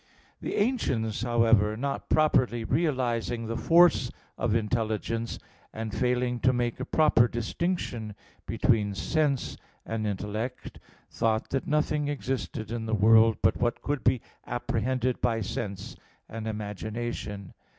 The ancients, however, not properly realizing the force of intelligence, and failing to make a proper distinction between sense and intellect, thought that nothing existed in the world but what could be apprehended by sense and imagination.